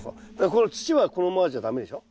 この土はこのままじゃ駄目でしょ。